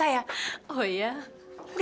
saya sudah berhenti